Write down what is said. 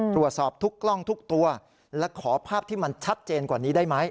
ตรวจสอบทุกกล้องทุกตัวและขอภาพที่มันชัดเจนกว่านี้ได้ไหม